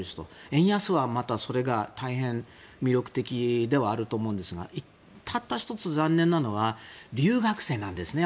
円安はまたそれが大変魅力的ではあると思うんですがたった１つ残念なのは留学生なんですね。